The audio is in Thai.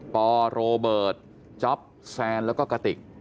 ปโรเบิร์ตจ๊อปแซนแล้วก็กระติก